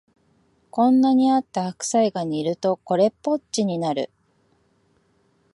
こんなにあった白菜が煮るとこれっぽっちになる